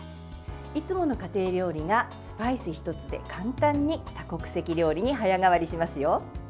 いつもの家庭料理がスパイス１つで簡単に多国籍料理に早変わりしますよ。